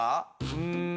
うん。